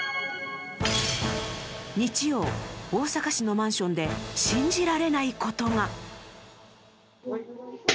日曜、大阪市のマンションで信じられないことが。